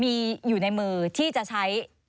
มีอยู่ในมือที่จะใช้